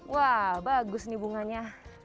wah bagus nih bunganya